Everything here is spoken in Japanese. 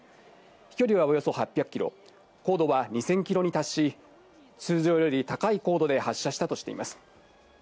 飛距離はおよそ８００ｋｍ、高度は２０００ｋｍに達し、通常より高い高度で発射したとしています。